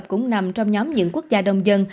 các quốc gia đang nằm trong nhóm những quốc gia đông dân